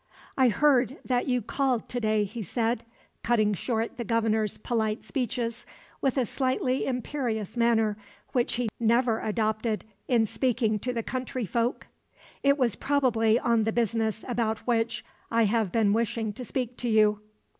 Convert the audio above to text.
"I heard that you called to day," he said, cutting short the Governor's polite speeches with a slightly imperious manner which he never adopted in speaking to the country folk. "It was probably on the business about which I have been wishing to speak to you."